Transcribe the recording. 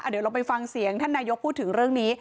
เดี๋ยวเราไปฟังเสียงท่านนายกพูดถึงเรื่องนี้